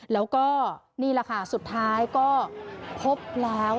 แล้วก็นี่แหละค่ะสุดท้ายก็พบแล้ว